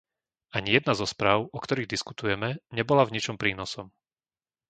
Ani jedna zo správ, o ktorých diskutujeme, nebola v ničom prínosom.